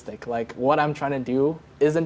seperti apa yang saya coba lakukan